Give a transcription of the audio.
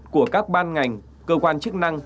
của các ban ngành cơ quan chức năng